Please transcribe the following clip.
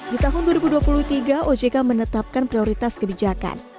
di tahun dua ribu dua puluh tiga ojk menetapkan prioritas kebijakan